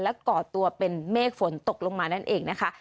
ก่อตัวเป็นเมฆฝนตกลงมานั่นเองนะคะ